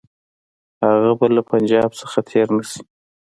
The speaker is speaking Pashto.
هغه به له پنجاب څخه تېر نه شي.